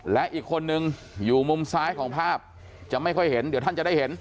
และอีกคนนึงอยู่มุมซ้ายของภาพจะไม่ค่อยเห็นเดี๋ยวท่านจะได้เห็น